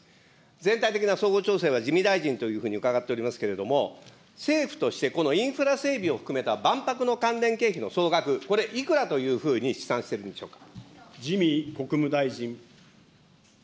全体的な総合調整は、自見大臣というふうに伺っておりますけれども、政府として、このインフラ整備を含めた万博経費の総額、これいくらというふうに試算してるんでしょうか。